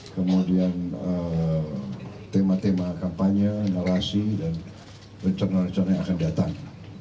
kemudian tema tema kampanye narasi dan rencana rencana yang akan datang